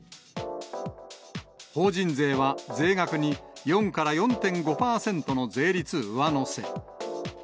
法人税は税額に増額に４から４．５％の税率上乗せ。